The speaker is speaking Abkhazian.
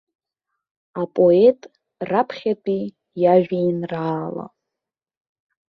Апоет раԥхьатәи иажәеинраала.